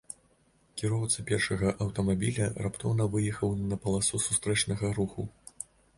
Кіроўца першага аўтамабіля раптоўна выехаў на паласу сустрэчнага руху.